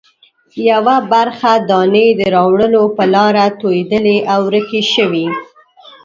یوه برخه دانې د راوړلو په لاره توېدلې او ورکې شوې.